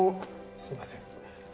すいません。